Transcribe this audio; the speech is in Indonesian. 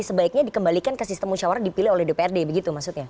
sebaiknya dikembalikan ke sistem musyawarah dipilih oleh dprd begitu maksudnya